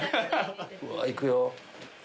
うわいくよ。